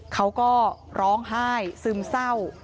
เขาก็ร้องไห้ซึมเศร้า